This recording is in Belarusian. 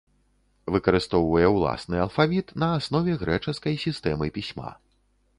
Выкарыстоўвае уласны алфавіт на аснове грэчаскай сістэмы пісьма.